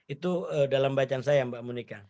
itu dalam bacaan saya mbak monika